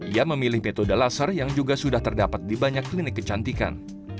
ia memilih metode laser yang juga sudah terdapat di banyak klinik kecantikan